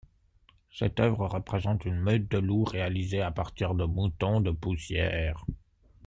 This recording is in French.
Cette œuvre représente une meute de loups réalisés à partir de moutons de poussière.